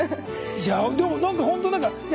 いやでも何かほんと何かいや